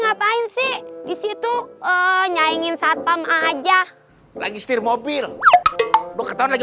ngapain sih disitu oh nyanyiin satpam aja lagi setir mobil lo ketahuan lagi